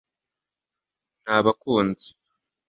nabakunze